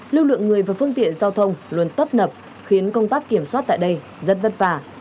lưu lượng người và phương tiện giao thông luôn tấp nập khiến công tác kiểm soát tại đây rất vất vả